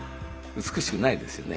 美しくないですよね。